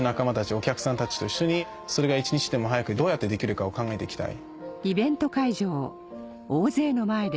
お客さんたちと一緒にそれが一日でも早くどうやってできるかを考えていきたい。